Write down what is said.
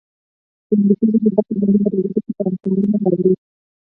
د انګلیسي ژبې زده کړه مهمه ده ځکه چې پانګونه راوړي.